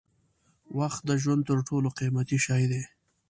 وخت د ژوند تر ټولو قیمتي شی دی.